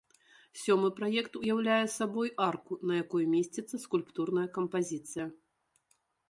Сёмы праект уяўляе сабой арку, на якой месціцца скульптурная кампазіцыя.